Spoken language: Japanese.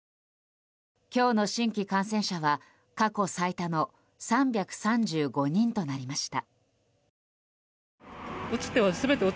今日の新規感染者は過去最多の３３５人となりました。